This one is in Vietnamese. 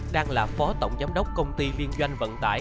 đang là phó tổng giám đốc công ty viên doanh vận tải